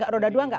roda dua enggak